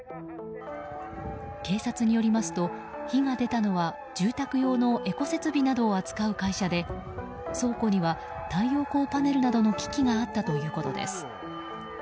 警察によりますと火が出たのは住宅用のエコ設備などを扱う会社で倉庫には、太陽光パネルなどの機器があったということです。